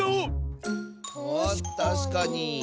たしかに。